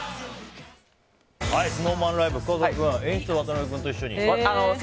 ＳｎｏｗＭａｎライブ演出は渡辺君と一緒に。